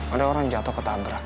ada orang jatuh ketabrak